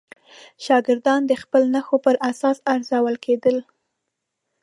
شاګردان د خپلو نښو پر اساس ارزول کېدل.